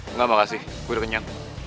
enggak makasih gue udah kenyang